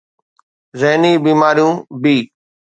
ذهني بيماريون b